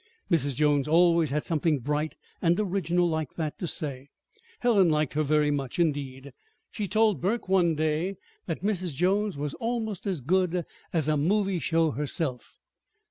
Mrs. Jones always had something bright and original like that to say Helen liked her very much! Indeed, she told Burke one day that Mrs. Jones was almost as good as a movie show herself.